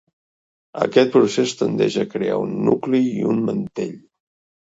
Aquest procés tendeix a crear un nucli i un mantell.